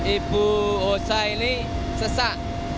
ibu osa ini sesak